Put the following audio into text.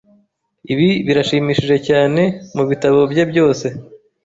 Ibi birashimishije cyane mubitabo bye byose.